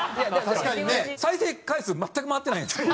確かにね！再生回数全く回ってないんですよ。